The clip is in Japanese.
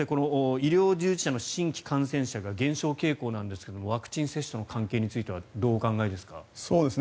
医療従事者の新規感染者が減少傾向なんですがワクチン接種との関係についてはどうお考えですか？